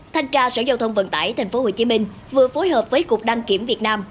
thanh tra sở giao thông vận tải tp hcm vừa phối hợp với cục đăng kiểm việt nam